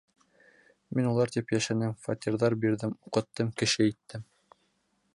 Мин улар тип йәшәнем, фатирҙар бирҙем, уҡыттым, кеше иттем.